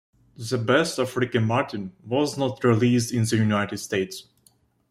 "The Best of Ricky Martin" was not released in the United States.